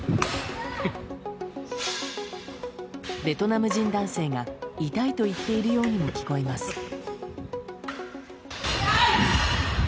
ベトナム人男性が痛いと言っているようにも聞こえます。